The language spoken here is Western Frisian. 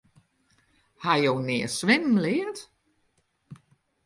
Ha jo nea swimmen leard?